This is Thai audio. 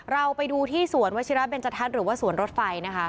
เราไปดูที่สวนวชิระเบนจทัศน์หรือว่าสวนรถไฟนะคะ